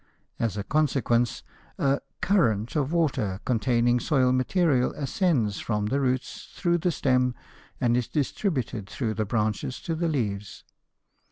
As a consequence, a "current" of water containing soil material ascends from the roots, through the stem, and is distributed through the branches to the leaves.